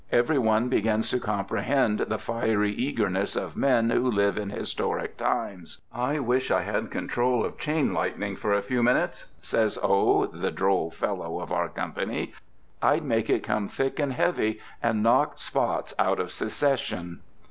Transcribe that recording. Every one begins to comprehend the fiery eagerness of men who live in historic times. "I wish I had control of chain lightning for a few minutes," says O., the droll fellow of our company. "I'd make it come thick and heavy and knock spots out of Secession."